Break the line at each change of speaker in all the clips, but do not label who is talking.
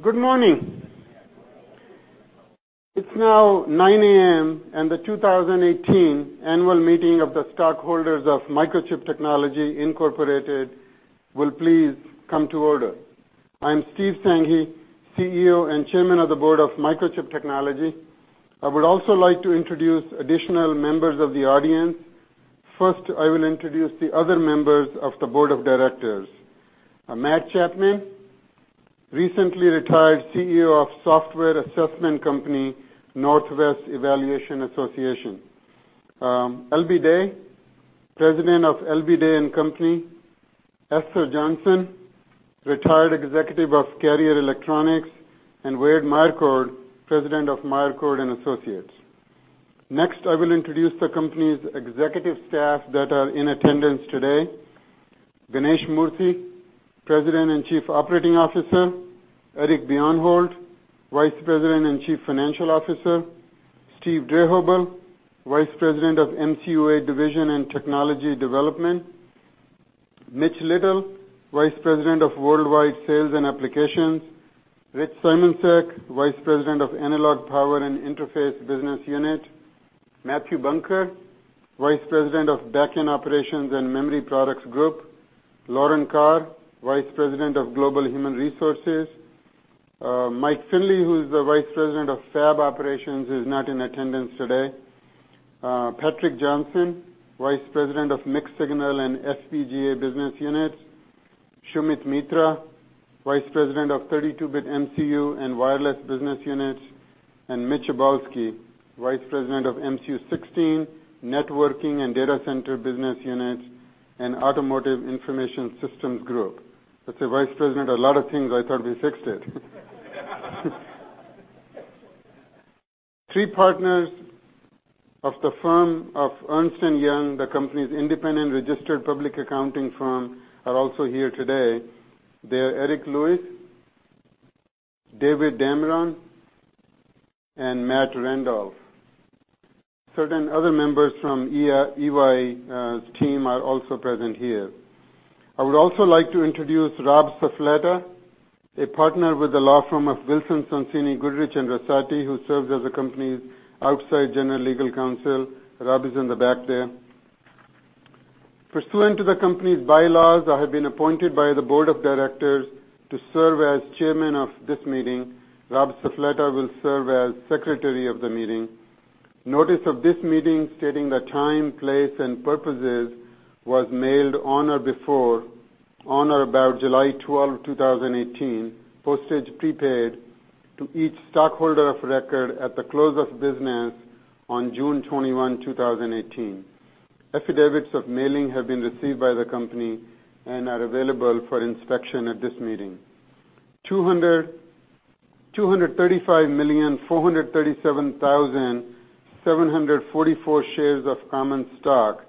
Good morning. It is now 9:00 A.M. The 2018 annual meeting of the stockholders of Microchip Technology Incorporated will please come to order. I am Steve Sanghi, CEO and Chairman of the Board of Microchip Technology. I would also like to introduce additional members of the audience. First, I will introduce the other members of the board of directors. Matt Chapman, recently retired CEO of software assessment company Northwest Evaluation Association. L.B. Day, President of L.B. Day & Company. Esther Johnson, retired executive of Carrier Electronics, and Wade F. Meyercord, President of Meyercord & Associates. Next, I will introduce the company's executive staff that are in attendance today. Ganesh Moorthy, President and Chief Operating Officer. Eric Bjornholt, Vice President and Chief Financial Officer. Steve Drehobl, Vice President of MCU8 Division and Technology Development. Mitch Little, Vice President of Worldwide Sales and Applications. Rich Simoncic, Vice President of Analog Power and Interface Business Unit. Mathew Bunker, Vice President of Backend Operations and Memory Products Group. Lauren Carr, Vice President of Global Human Resources. Mike Finley, who is the Vice President of Fab Operations, is not in attendance today. Patrick Johnson, Vice President of Mixed Signal and FPGA Business Unit. Sumit Mitra, Vice President of 32-bit MCU and Wireless Business Unit. Mitch Abowski, Vice President of MCU16, Networking and Data Center Business Unit, and Automotive Information Systems Group. That is a Vice President of a lot of things. I thought we fixed it. Three partners of the firm of Ernst & Young, the company's independent registered public accounting firm, are also here today. They are Eric Lewis, David Dameron, and Matt Randolph. Certain other members from EY's team are also present here. I would also like to introduce Rob Suffoletta, a partner with the law firm of Wilson Sonsini Goodrich & Rosati, who serves as the company's outside general legal counsel. Rob is in the back there. Pursuant to the company's bylaws, I have been appointed by the board of directors to serve as chairman of this meeting. Rob Suffoletta will serve as secretary of the meeting. Notice of this meeting, stating the time, place, and purposes, was mailed on or about July 12, 2018, postage prepaid, to each stockholder of record at the close of business on June 21, 2018. Affidavits of mailing have been received by the company and are available for inspection at this meeting. 235,437,744 shares of common stock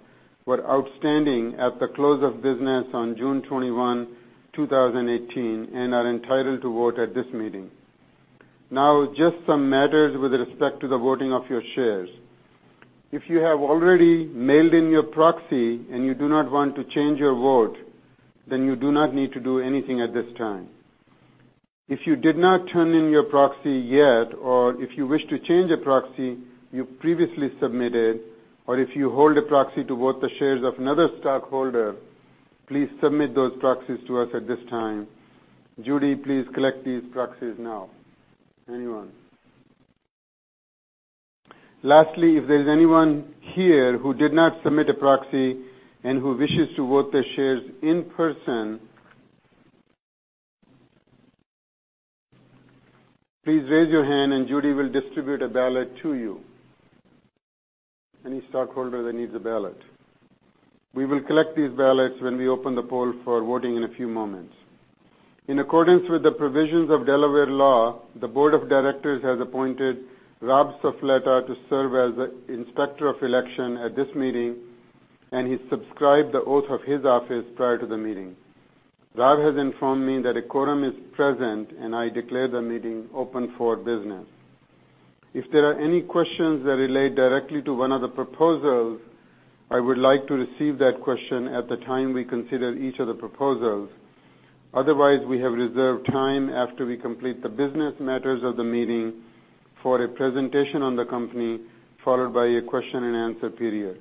were outstanding at the close of business on June 21, 2018, and are entitled to vote at this meeting. Just some matters with respect to the voting of your shares. If you have already mailed in your proxy and you do not want to change your vote, you do not need to do anything at this time. If you did not turn in your proxy yet, or if you wish to change a proxy you previously submitted, or if you hold a proxy to vote the shares of another stockholder, please submit those proxies to us at this time. Judy, please collect these proxies now. Anyone. Lastly, if there is anyone here who did not submit a proxy and who wishes to vote their shares in person, please raise your hand and Judy will distribute a ballot to you. Any stockholder that needs a ballot. We will collect these ballots when we open the poll for voting in a few moments. In accordance with the provisions of Delaware law, the board of directors has appointed Rob Suffoletta to serve as inspector of election at this meeting, and he subscribed the oath of his office prior to the meeting. Rob has informed me that a quorum is present, and I declare the meeting open for business. If there are any questions that relate directly to one of the proposals, I would like to receive that question at the time we consider each of the proposals. Otherwise, we have reserved time after we complete the business matters of the meeting for a presentation on the company, followed by a question and answer period.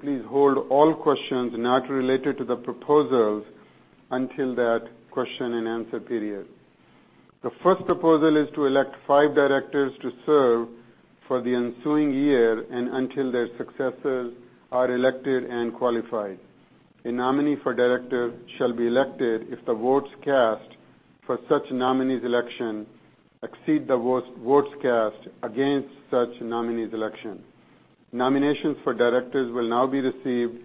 Please hold all questions not related to the proposals until that question and answer period. The first proposal is to elect five directors to serve for the ensuing year and until their successors are elected and qualified. A nominee for director shall be elected if the votes cast for such nominee's election exceed the votes cast against such nominee's election. Nominations for directors will now be received.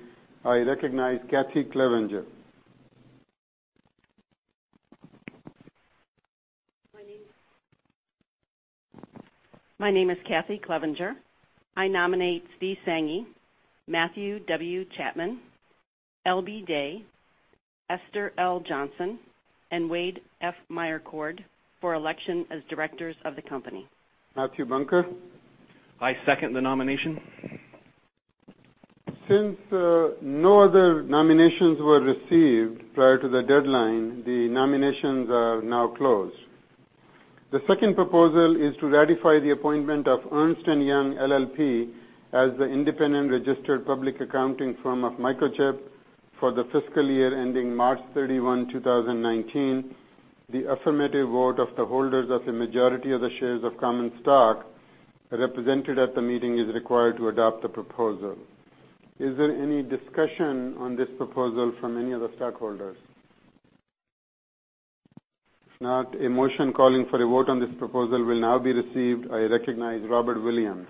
I recognize Kathy Clevenger.
Good morning. My name is Kathy Clevenger. I nominate Steve Sanghi, Matthew W. Chapman, L.B. Day, Esther L. Johnson, and Wade F. Meyercord for election as directors of the company.
Mathew Bunker?
I second the nomination
Since no other nominations were received prior to the deadline, the nominations are now closed. The second proposal is to ratify the appointment of Ernst & Young LLP as the independent registered public accounting firm of Microchip for the fiscal year ending March 31, 2019. The affirmative vote of the holders of a majority of the shares of common stock represented at the meeting is required to adopt the proposal. Is there any discussion on this proposal from any of the stockholders? If not, a motion calling for a vote on this proposal will now be received. I recognize Robert Williams.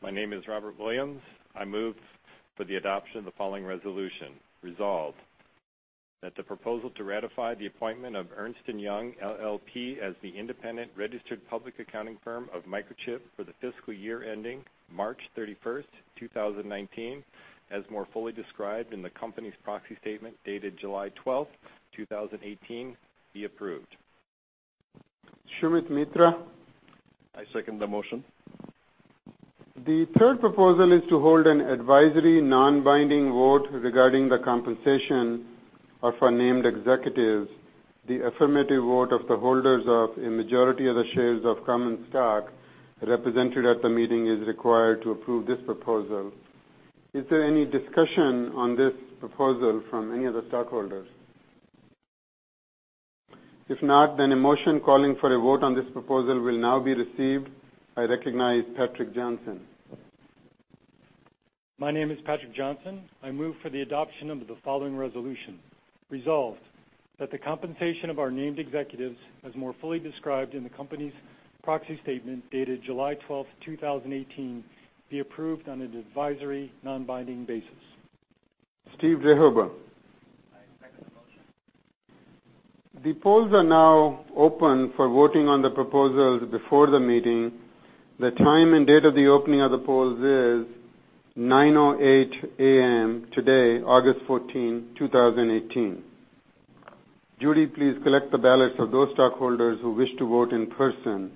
My name is Robert Williams. I move for the adoption of the following resolution. Resolved, that the proposal to ratify the appointment of Ernst & Young LLP as the independent registered public accounting firm of Microchip for the fiscal year ending March 31, 2019, as more fully described in the company's proxy statement dated July 12, 2018, be approved.
Sumit Mitra.
I second the motion.
The third proposal is to hold an advisory non-binding vote regarding the compensation of our named executives. The affirmative vote of the holders of a majority of the shares of common stock represented at the meeting is required to approve this proposal. Is there any discussion on this proposal from any of the stockholders? If not, then a motion calling for a vote on this proposal will now be received. I recognize Patrick Johnson.
My name is Patrick Johnson. I move for the adoption of the following resolution. Resolved, that the compensation of our named executives, as more fully described in the company's proxy statement dated July 12th, 2018, be approved on an advisory non-binding basis.
Steve Drehobl.
I second the motion.
The polls are now open for voting on the proposals before the meeting. The time and date of the opening of the polls is 9:08 A.M. today, August 14, 2018. Judy, please collect the ballots of those stockholders who wish to vote in person.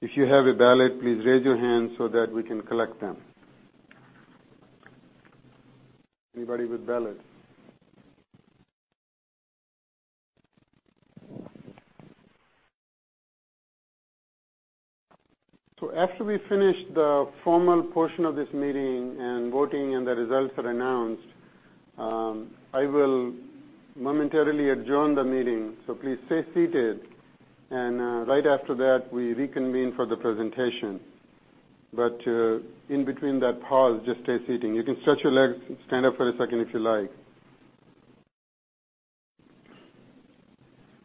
If you have a ballot, please raise your hand so that we can collect them. Anybody with ballots? After we finish the formal portion of this meeting and voting and the results are announced, I will momentarily adjourn the meeting. Please stay seated. Right after that, we reconvene for the presentation. In between that pause, just stay seated. You can stretch your legs, stand up for a second if you like.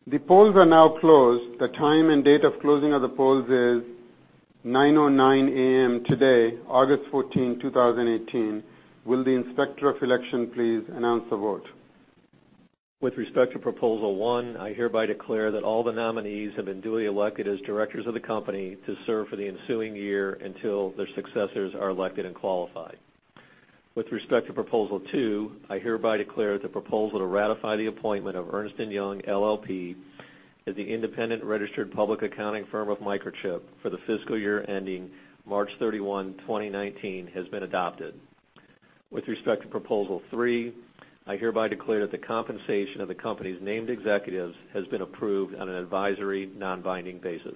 The polls are now closed. The time and date of closing of the polls is 9:09 A.M. today, August 14, 2018. Will the Inspector of Election please announce the vote?
With respect to Proposal One, I hereby declare that all the nominees have been duly elected as directors of the company to serve for the ensuing year until their successors are elected and qualified. With respect to Proposal Two, I hereby declare that the proposal to ratify the appointment of Ernst & Young LLP as the independent registered public accounting firm of Microchip for the fiscal year ending March 31, 2019, has been adopted. With respect to Proposal Three, I hereby declare that the compensation of the company's named executives has been approved on an an advisory non-binding basis.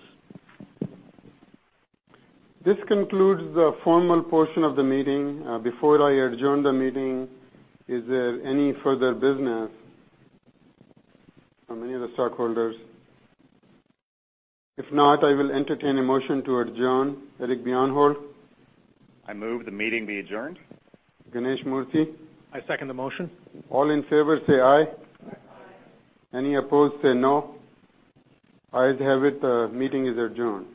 This concludes the formal portion of the meeting. Before I adjourn the meeting, is there any further business from any of the stockholders? If not, I will entertain a motion to adjourn. Eric Bjornholt.
I move the meeting be adjourned.
Ganesh Moorthy.
I second the motion.
All in favor say "aye.
Aye.
Any opposed say "no." Ayes have it. The meeting is adjourned.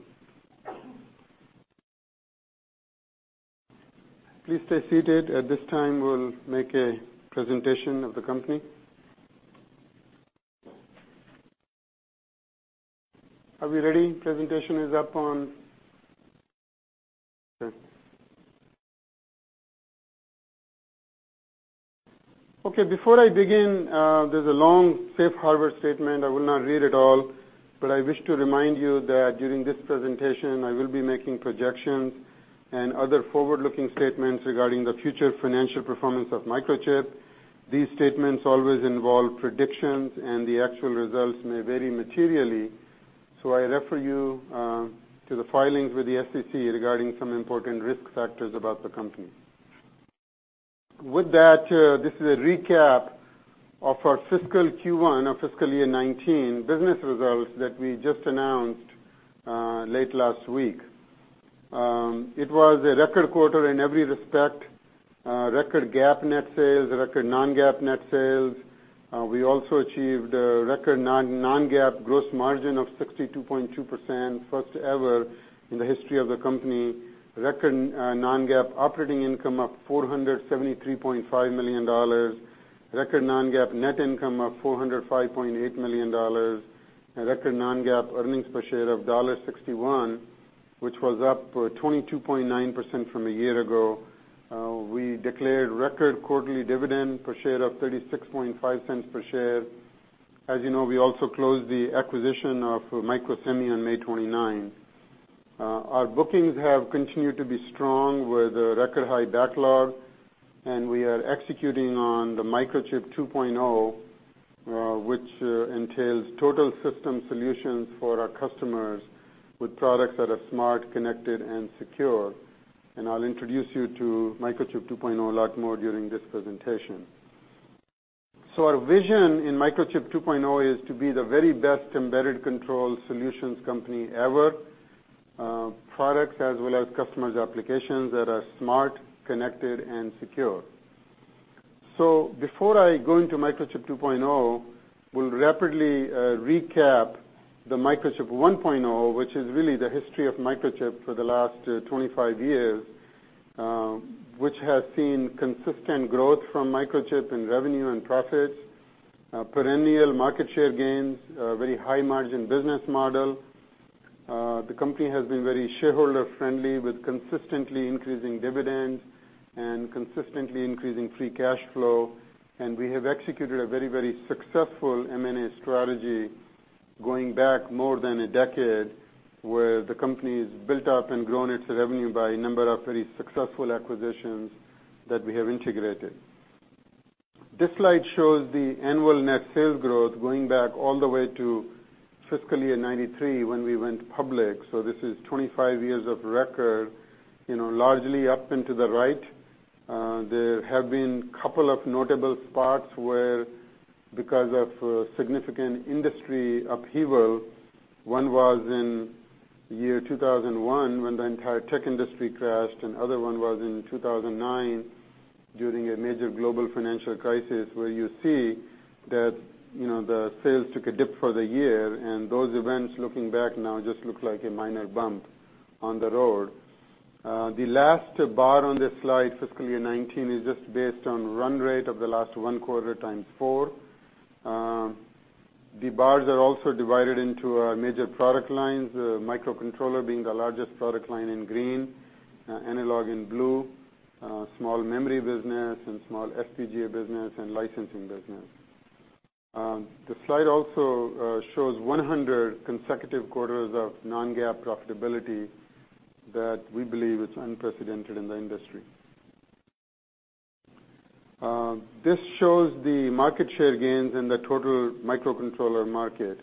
Please stay seated. At this time, we'll make a presentation of the company. Are we ready? Presentation is up on Okay. Before I begin, there's a long safe harbor statement. I will not read it all, but I wish to remind you that during this presentation, I will be making projections and other forward-looking statements regarding the future financial performance of Microchip. These statements always involve predictions, and the actual results may vary materially. I refer you to the filings with the SEC regarding some important risk factors about the company. With that, this is a recap of our fiscal Q1 of fiscal year 2019 business results that we just announced late last week. It was a record quarter in every respect. Record GAAP net sales, record non-GAAP net sales. We also achieved a record non-GAAP gross margin of 62.2%, first ever in the history of the company. Record non-GAAP operating income of $473.5 million. Record non-GAAP net income of $405.8 million. A record non-GAAP earnings per share of $1.61, which was up 22.9% from a year ago. We declared record quarterly dividend per share of $0.365 per share. As you know, we also closed the acquisition of Microsemi on May 29. Our bookings have continued to be strong with a record high backlog, and we are executing on the Microchip 2.0, which entails total system solutions for our customers with products that are smart, connected, and secure. I'll introduce you to Microchip 2.0 a lot more during this presentation. Our vision in Microchip 2.0 is to be the very best embedded control solutions company ever, products as well as customers applications that are smart, connected, and secure. Before I go into Microchip 2.0, we'll rapidly recap the Microchip 1.0, which is really the history of Microchip for the last 25 years, which has seen consistent growth from Microchip in revenue and profits, perennial market share gains, a very high margin business model. The company has been very shareholder-friendly with consistently increasing dividends and consistently increasing free cash flow. We have executed a very successful M&A strategy going back more than a decade, where the company's built up and grown its revenue by a number of very successful acquisitions that we have integrated. This slide shows the annual net sales growth going back all the way to fiscal year 1993 when we went public. This is 25 years of record, largely up into the right. There have been couple of notable spots where, because of significant industry upheaval, one was in year 2001 when the entire tech industry crashed, and other one was in 2009 during a major global financial crisis, where you see that the sales took a dip for the year, and those events, looking back now, just look like a minor bump on the road. The last bar on this slide, fiscal year 2019, is just based on run rate of the last one quarter times four. The bars are also divided into our major product lines, microcontroller being the largest product line in green, analog in blue, small memory business and small FPGA business and licensing business. The slide also shows 100 consecutive quarters of non-GAAP profitability that we believe is unprecedented in the industry. This shows the market share gains in the total microcontroller market.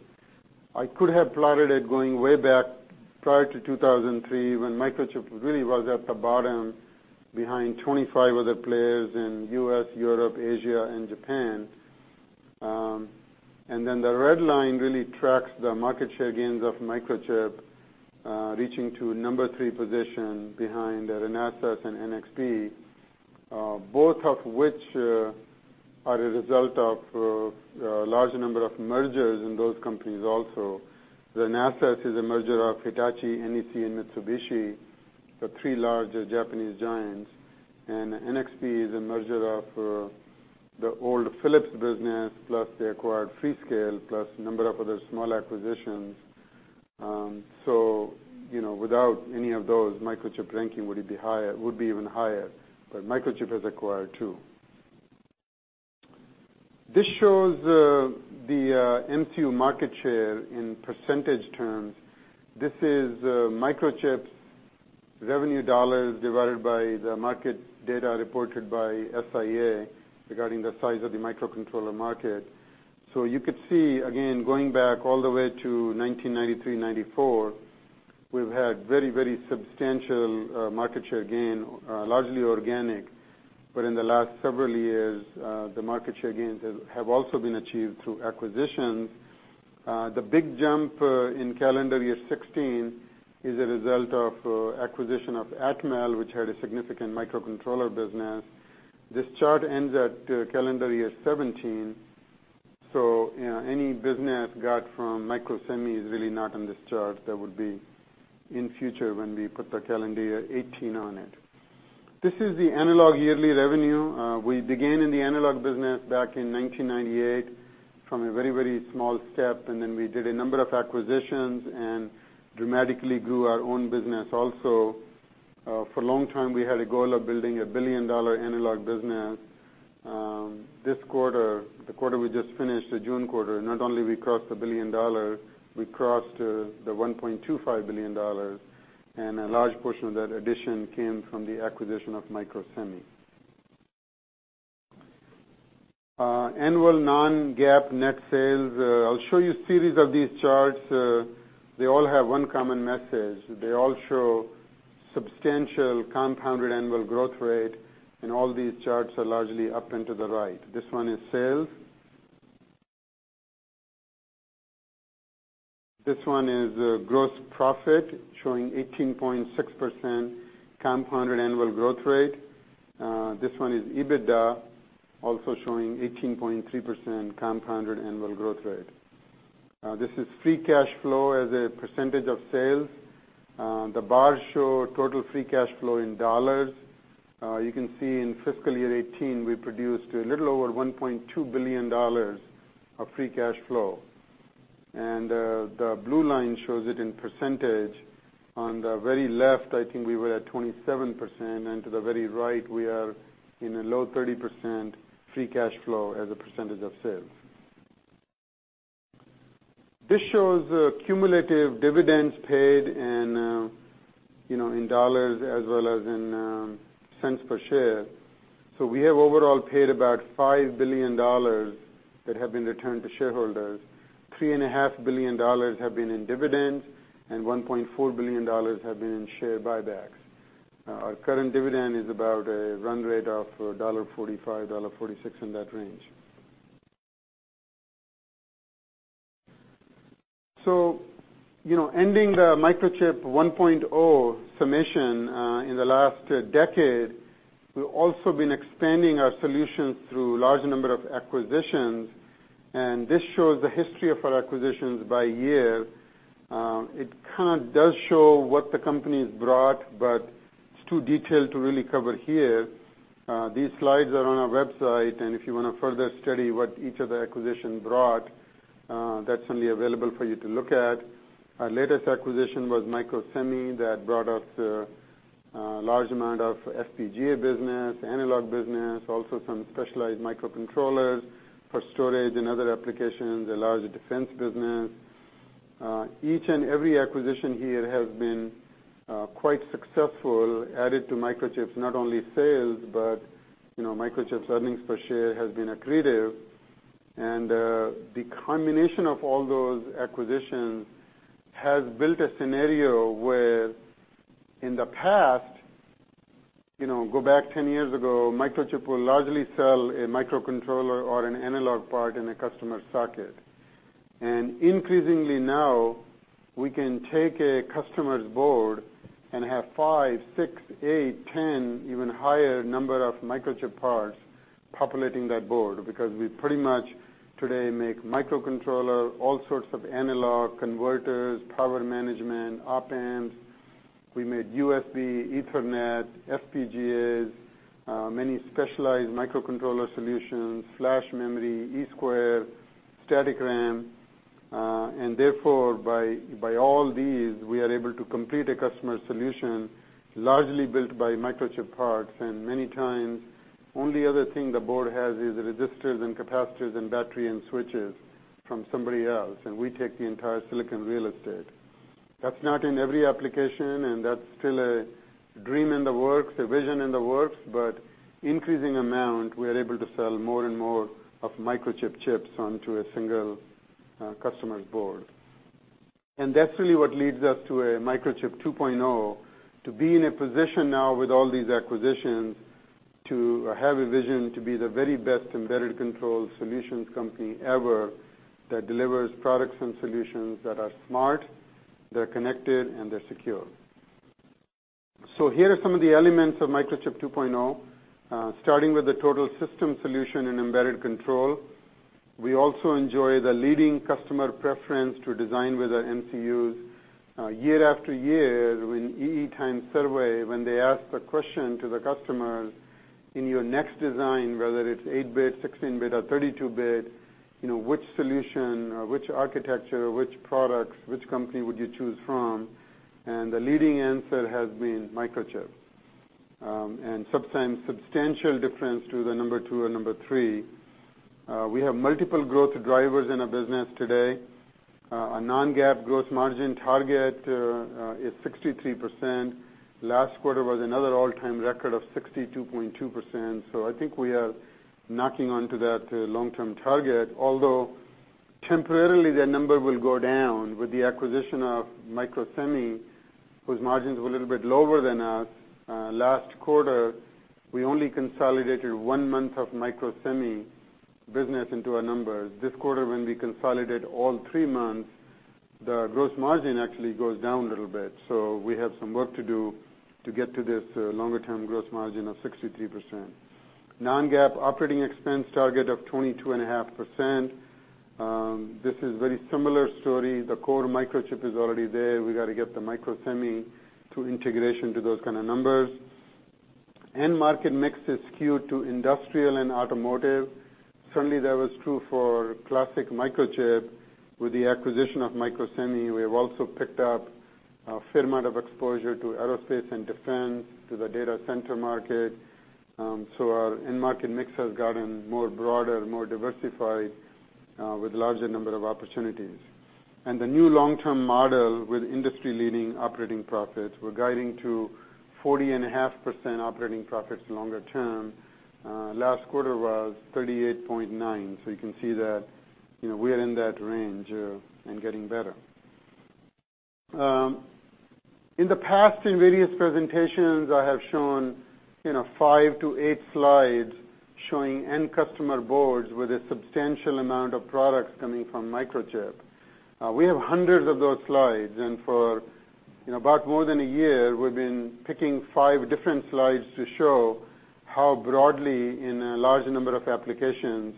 I could have plotted it going way back prior to 2003, when Microchip really was at the bottom behind 25 other players in U.S., Europe, Asia, and Japan. The red line really tracks the market share gains of Microchip, reaching to number 3 position behind Renesas and NXP, both of which are a result of a large number of mergers in those companies also. Renesas is a merger of Hitachi, NEC, and Mitsubishi, the three largest Japanese giants. NXP is a merger of the old Philips business, plus they acquired Freescale, plus a number of other small acquisitions. Without any of those, Microchip ranking would be even higher. Microchip has acquired, too. This shows the MCU market share in percentage terms. This is Microchip's revenue dollars divided by the market data reported by SIA regarding the size of the microcontroller market. You could see, again, going back all the way to 1993, 1994, we've had very substantial market share gain, largely organic. In the last several years, the market share gains have also been achieved through acquisitions. The big jump in calendar year 2016 is a result of acquisition of Atmel, which had a significant microcontroller business. This chart ends at calendar year 2017, so any business got from Microsemi is really not on this chart. That would be in future when we put the calendar year 2018 on it. This is the analog yearly revenue. We began in the analog business back in 1998 from a very small step, and then we did a number of acquisitions and dramatically grew our own business also. For a long time, we had a goal of building a billion-dollar analog business. This quarter, the quarter we just finished, the June quarter, not only we crossed $1 billion, we crossed $1.25 billion, and a large portion of that addition came from the acquisition of Microsemi. Annual non-GAAP net sales. I'll show you series of these charts. They all have one common message. They all show substantial compounded annual growth rate. All these charts are largely up into the right. This one is sales. This one is gross profit, showing 18.6% compounded annual growth rate. This one is EBITDA, also showing 18.3% compounded annual growth rate. This is free cash flow as a percentage of sales. The bars show total free cash flow in dollars. You can see in fiscal year 2018, we produced a little over $1.2 billion of free cash flow. The blue line shows it in percentage. On the very left, I think we were at 27%, and to the very right, we are in a low 30% free cash flow as a percentage of sales. This shows the cumulative dividends paid in dollars as well as in cents per share. We have overall paid about $5 billion that have been returned to shareholders. $3.5 billion have been in dividends, and $1.4 billion have been in share buybacks. Our current dividend is about a run rate of $1.45, $1.46, in that range. Ending the Microchip 1.0 summation in the last decade, we've also been expanding our solutions through large number of acquisitions. This shows the history of our acquisitions by year. It kind of does show what the company's brought. It's too detailed to really cover here. These slides are on our website. If you want to further study what each of the acquisition brought, that's certainly available for you to look at. Our latest acquisition was Microsemi. That brought us a large amount of FPGA business, analog business, also some specialized microcontrollers for storage and other applications, a large defense business. Each and every acquisition here has been quite successful, added to Microchip's, not only sales, but Microchip's earnings per share has been accretive. The combination of all those acquisitions has built a scenario where in the past, go back 10 years ago, Microchip will largely sell a microcontroller or an analog part in a customer socket. Increasingly now, we can take a customer's board and have five, six, eight, 10, even higher number of Microchip parts populating that board because we pretty much today make microcontroller, all sorts of analog converters, power management, op-amps. We made USB, Ethernet, FPGAs, many specialized microcontroller solutions, flash memory, E squared, static RAM. Therefore, by all these, we are able to complete a customer solution largely built by Microchip parts. Many times, only other thing the board has is resistors and capacitors and battery and switches from somebody else. We take the entire silicon real estate. That's not in every application. That's still a dream in the works, a vision in the works. Increasing amount, we are able to sell more and more of Microchip chips onto a single customer's board. That's really what leads us to a Microchip 2.0, to be in a position now with all these acquisitions to have a vision to be the very best embedded control solutions company ever that delivers products and solutions that are smart, they're connected, and they're secure. Here are some of the elements of Microchip 2.0, starting with the total system solution in embedded control. We also enjoy the leading customer preference to design with our MCUs. Year after year, when EE Times survey, when they ask the question to the customers, in your next design, whether it's 8-bit, 16-bit, or 32-bit, which solution, which architecture, which products, which company would you choose from? The leading answer has been Microchip, and substantial difference to the number two and number three. We have multiple growth drivers in our business today. Our non-GAAP gross margin target is 63%. Last quarter was another all-time record of 62.2%. I think we are knocking onto that long-term target. Although temporarily, that number will go down with the acquisition of Microsemi, whose margins were a little bit lower than us. Last quarter, we only consolidated one month of Microsemi business into our numbers. This quarter, when we consolidate all three months, the gross margin actually goes down a little bit. We have some work to do to get to this longer term gross margin of 63%. Non-GAAP operating expense target of 22.5%. This is very similar story. The core Microchip is already there. We got to get the Microsemi to integration to those kind of numbers. End-market mix is skewed to industrial and automotive. Certainly, that was true for classic Microchip. With the acquisition of Microsemi, we have also picked up a fair amount of exposure to aerospace and defense, to the data center market. Our end-market mix has gotten more broader, more diversified, with larger number of opportunities. The new long-term model with industry-leading operating profits, we're guiding to 40.5% operating profits longer term. Last quarter was 38.9. You can see that we are in that range and getting better. In the past, in various presentations, I have shown five to eight slides showing end customer boards with a substantial amount of products coming from Microchip. We have hundreds of those slides, and for about more than a year, we've been picking five different slides to show how broadly in a large number of applications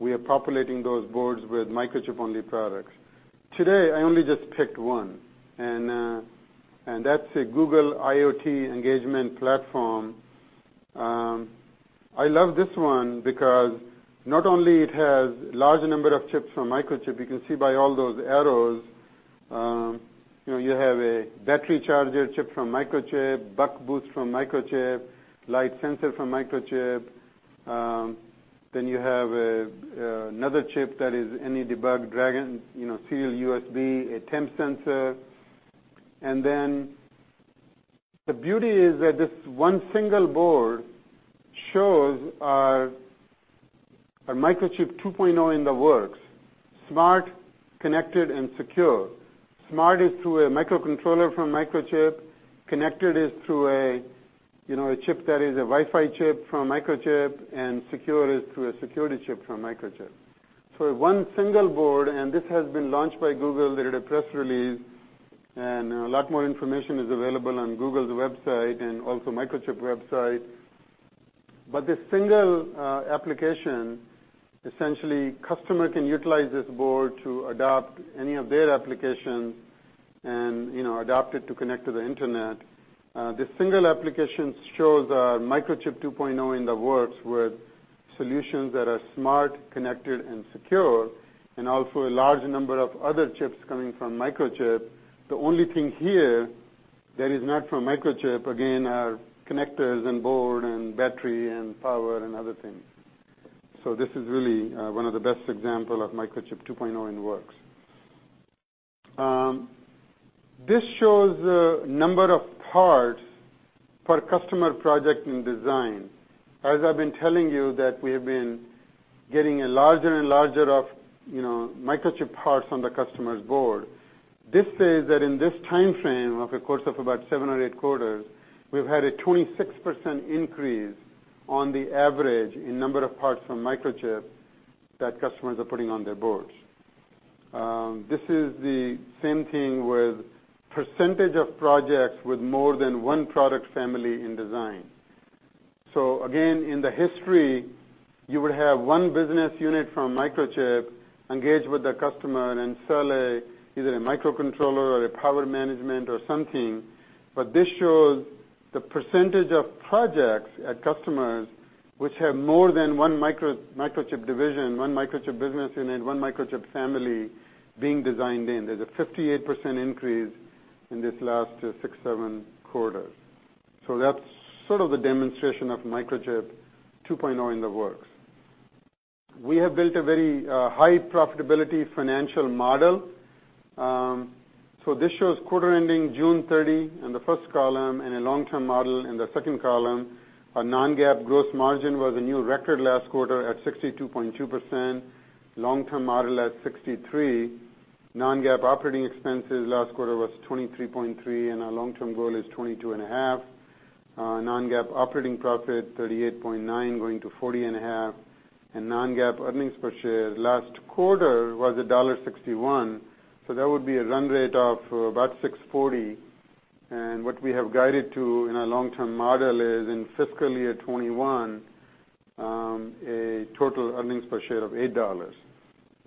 we are populating those boards with Microchip-only products. Today, I only just picked one, and that's a Google IoT engagement platform. I love this one because not only it has large number of chips from Microchip, you can see by all those arrows. You have a battery charger chip from Microchip, buck-boost from Microchip, light sensor from Microchip. You have another chip that is an EDBG Dragon, seal USB, a temp sensor. The beauty is that this one single board shows our Microchip 2.0 in the works, smart, connected, and secure. Smart is through a microcontroller from Microchip, connected is through a chip that is a Wi-Fi chip from Microchip, and secure is through a security chip from Microchip. One single board, and this has been launched by Google, they did a press release, and a lot more information is available on Google's website and also Microchip website. This single application, essentially, customer can utilize this board to adopt any of their applications and adopt it to connect to the internet. This single application shows our Microchip 2.0 in the works with solutions that are smart, connected, and secure, and also a large number of other chips coming from Microchip. The only thing here that is not from Microchip, again, are connectors and board and battery and power and other things. This is really one of the best example of Microchip 2.0 in the works. This shows the number of parts per customer project in design. As I've been telling you that we have been getting a larger and larger of Microchip parts on the customer's board. This says that in this timeframe of a course of about seven or eight quarters, we've had a 26% increase on the average in number of parts from Microchip that customers are putting on their boards. This is the same thing with percentage of projects with more than one product family in design. Again, in the history, you would have one business unit from Microchip engage with the customer and sell either a microcontroller or a power management or something. This shows the percentage of projects at customers which have more than one Microchip division, one Microchip business unit, one Microchip family being designed in. There's a 58% increase in this last six, seven quarters. That's sort of the demonstration of Microchip 2.0 in the works. We have built a very high profitability financial model. This shows quarter ending June 30 in the first column and a long-term model in the second column. Our non-GAAP gross margin was a new record last quarter at 62.2%, long-term model at 63%. Non-GAAP operating expenses last quarter was 23.3%, and our long-term goal is 22.5%. Non-GAAP operating profit 38.9%, going to 40.5%. Non-GAAP earnings per share last quarter was $1.61, so that would be a run rate of about $6.40, and what we have guided to in our long-term model is in fiscal year 2021, a total earnings per share of $8.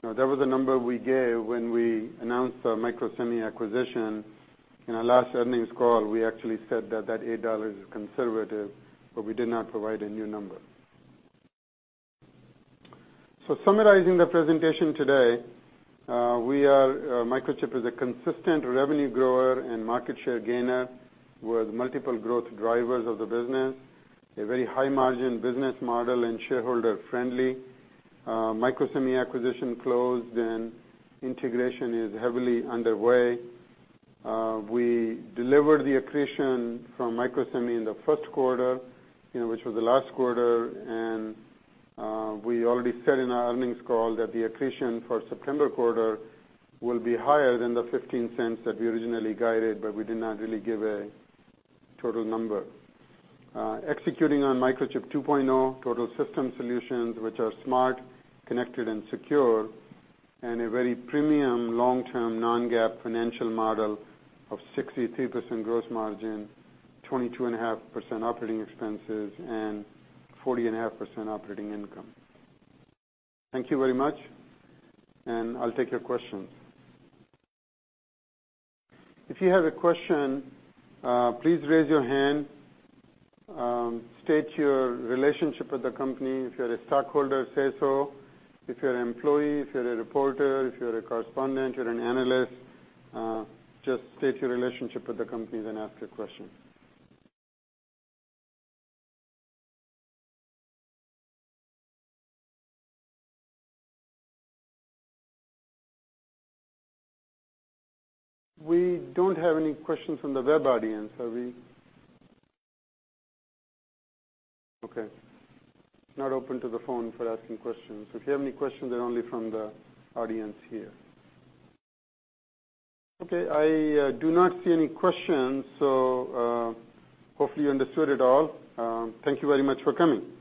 That was the number we gave when we announced our Microsemi acquisition. In our last earnings call, we actually said that that $8 is conservative, we did not provide a new number. Summarizing the presentation today, Microchip is a consistent revenue grower and market share gainer with multiple growth drivers of the business, a very high margin business model and shareholder friendly. Microsemi acquisition closed and integration is heavily underway. We delivered the accretion from Microsemi in the first quarter, which was the last quarter, and we already said in our earnings call that the accretion for September quarter will be higher than the $0.15 that we originally guided, we did not really give a total number. Executing on Microchip 2.0 total system solutions, which are smart, connected, and secure, and a very premium long-term non-GAAP financial model of 63% gross margin, 22.5% operating expenses, and 40.5% operating income. Thank you very much. I'll take your questions. If you have a question, please raise your hand, state your relationship with the company. If you're a stockholder, say so. If you're an employee, if you're a reporter, if you're a correspondent, you're an analyst, just state your relationship with the company, ask your question. We don't have any questions from the web audience. Okay. It's not open to the phone for asking questions. If you have any questions, they're only from the audience here. Okay, I do not see any questions, hopefully you understood it all. Thank you very much for coming.